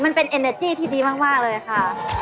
มันเป็นเอ็นเนอร์จี้ที่ดีมากเลยค่ะ